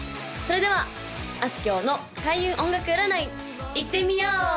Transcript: それではあすきょうの開運音楽占いいってみよう！